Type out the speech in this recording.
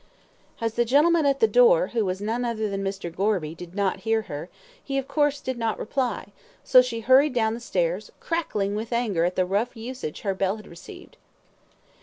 As the gentleman at the door, who was none other than Mr. Gorby, did not hear her, he of course did not reply, so she hurried down the stairs, crackling with anger at the rough usage her bell had received.